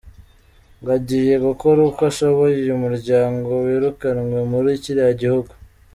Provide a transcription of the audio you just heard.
Ngo agiye gukora uko ashoboye uyu muryango wirukanwe muri kiriya gihugu.